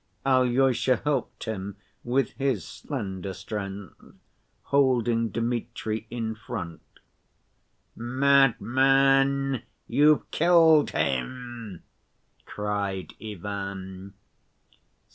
Alyosha helped him with his slender strength, holding Dmitri in front. "Madman! You've killed him!" cried Ivan.